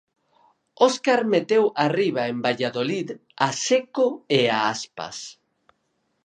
Óscar meteu arriba en Valladolid a Seco e a aspas.